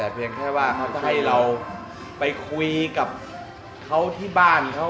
เพียงแค่ว่าเขาจะให้เราไปคุยกับเขาที่บ้านเขา